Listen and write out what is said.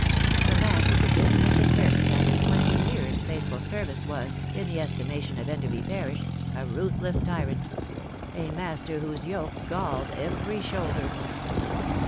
A man who could dismiss a servant after twenty years' faithful service was, in the estimation of Enderby parish, a ruthless tyrant a master whose yoke galled every shoulder.